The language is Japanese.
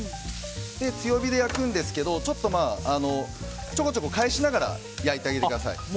強火で焼くんですけどちょこちょこ返しながら焼いてあげてください。